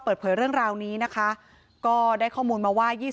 เปิดเผยเรื่องราวนี้นะคะก็ได้ข้อมูลมาว่า